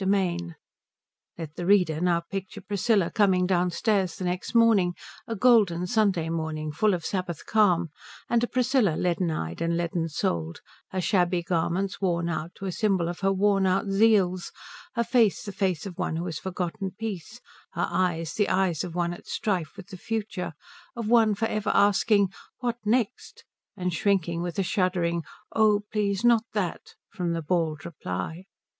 XXII Let the reader now picture Priscilla coming downstairs the next morning, a golden Sunday morning full of Sabbath calm, and a Priscilla leaden eyed and leaden souled, her shabby garments worn out to a symbol of her worn out zeals, her face the face of one who has forgotten peace, her eyes the eyes of one at strife with the future, of one for ever asking "What next?" and shrinking with a shuddering "Oh please not that," from the bald reply.